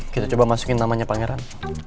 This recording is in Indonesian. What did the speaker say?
kita coba masukin namanya pangeran